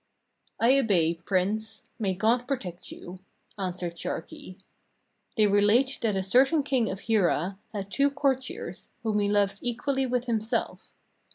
"I obey, Prince. May God protect you," answered Sharki. "They relate that a certain King of Hirah had two courtiers whom he loved equally with himself.